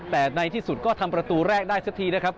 แต่ในที่สุดก็ทำประตูแรกได้สักทีนะครับ